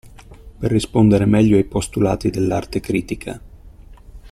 Per rispondere meglio ai postulati dell'arte critica.